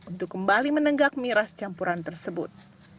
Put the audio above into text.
untuk kembali menenggak miras campuran tersebut